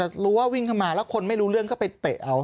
แต่รู้ว่าวิ่งเข้ามาแล้วคนไม่รู้เรื่องก็ไปเตะเอา